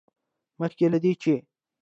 مخکې له دې، چې